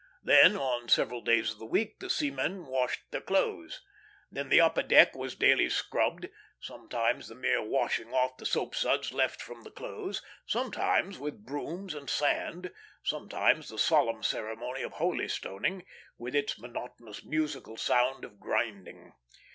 Then, on several days of the week, the seamen washed their clothes. Then the upper deck was daily scrubbed; sometimes the mere washing off the soap suds left from the clothes, sometimes with brooms and sand, sometimes the solemn ceremony of holy stoning with its monotonous musical sound of grinding.